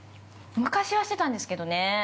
◆昔はしてたんですけどね。